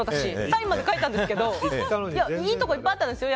サインまで書いたんですけどいいとこいっぱいあったんですよ。